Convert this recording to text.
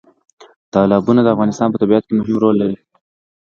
تالابونه د افغانستان په طبیعت کې مهم رول لري.